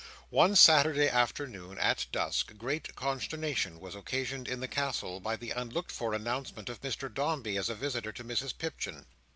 One Saturday afternoon, at dusk, great consternation was occasioned in the Castle by the unlooked for announcement of Mr Dombey as a visitor to Mrs Pipchin.